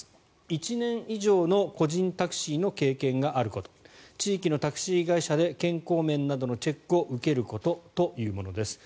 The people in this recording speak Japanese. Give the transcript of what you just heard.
１年以上の個人タクシーの経験があること地域のタクシー会社で健康面などのチェックを受けることというものです。